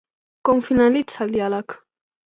Com finalitza el diàleg?